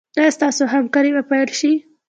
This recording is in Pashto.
ایا ستاسو همکاري به پیل شي؟